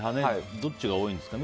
どっちが多いんですかね。